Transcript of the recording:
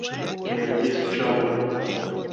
nêrgîz çav e